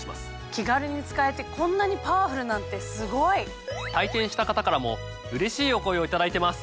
気軽に使えてこんなにパワフルなんてすごい！体験した方からもうれしいお声を頂いてます。